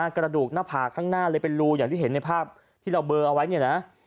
กระดูกหน้าผากข้างหน้าเลยเป็นรูอย่างที่เห็นในภาพที่เราเบอร์เอาไว้เนี่ยนะ